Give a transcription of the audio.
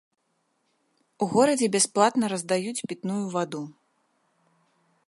У горадзе бясплатна раздаюць пітную ваду.